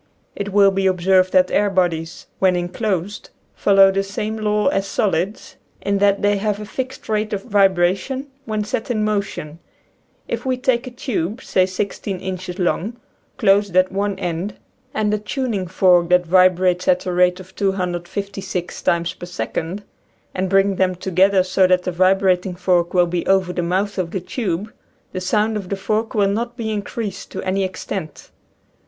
It will be observed that air bodies when inclosed fol low the same law as solids in that they have a fixed rate of vibration when set in motion. If we take a tube, say sixteen inches long, closed at one end, and a tuning fork that vi brates at the rate of 256 times per second, and bring them together so that the vibrating fork {^\, Original from :{<~ UNIVERSITY OF WISCONSIN 72 nature's Obixncles. will be over the mouth of the tube, the sound of the fork will not be increased to any extent.